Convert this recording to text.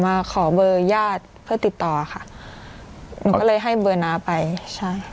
มาขอเบอร์ญาติเพื่อติดต่อค่ะหนูก็เลยให้เบอร์น้าไปใช่